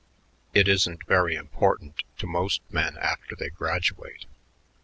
It isn't very important to most men after they graduate.